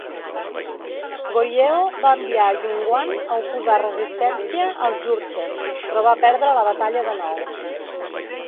Goryeo va enviar Yun Gwan a oposar resistència als Jurchens, però va perdre la batalla de nou.